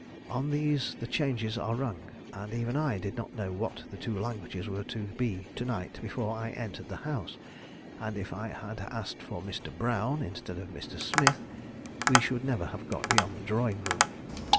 On these the changes are rung, and even I did not know what the two languages were to be to night before I entered the house, and if I had asked for 'Mr. Brown' instead of 'Mr. Smith,' we should never have got beyond the drawing room.